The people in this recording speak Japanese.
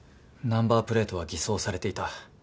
ナンバープレートは偽装されていた。